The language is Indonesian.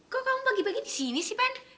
kok kamu pagi pagi di sini sih pen